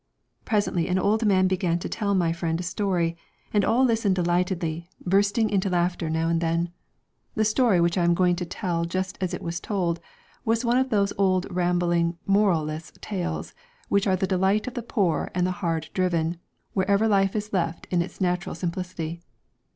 Presently an old man began to tell my friend a story, and all listened delightedly, bursting into 208 laughter now and then. The story, which Dreams lt .. that have I am going to tell just as it was told, no Moral. was one of those old rambling moralless tales, which are the delight of the poor and the hard driven, wherever life is left in its natural simplicity.